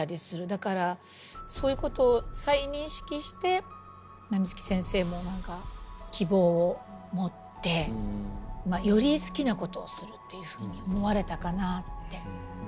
だからそういうことを再認識して水木先生も希望を持ってより好きなことをするっていうふうに思われたかなって。